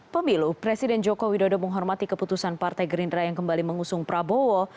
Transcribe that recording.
pemilu presiden joko widodo menghormati keputusan partai gerindra yang kembali mengusung prabowo